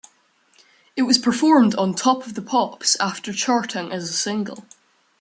It was performed on "Top of the Pops" after charting as a single.